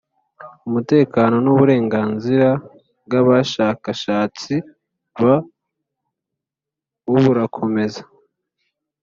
umutekano n uburenganzira bw abashakashatsi bburakomeza